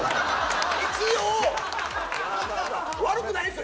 一応悪くないですよ。